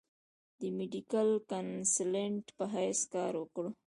د ميډيکل کنسلټنټ پۀ حېث کار اوکړو ۔